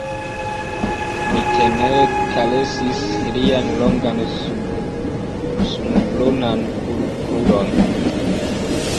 Mi tenere karesis lian longan, sunbrunan kruron.